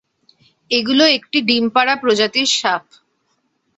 এগুলো একটি ডিম পাড়া প্রজাতির সাপ।